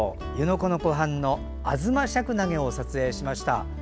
湖の湖畔のアズマシャクナゲを撮影しました。